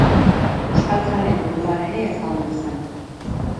Euskaltzaleen munduan ere ezaguna zen.